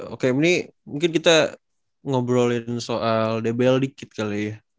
oke ini mungkin kita ngobrolin soal dbl dikit kali ya